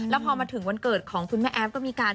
แล้วพอมาถึงวันเกิดของคุณแม่แอฟก็มีการ